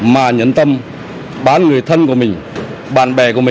mà nhấn tâm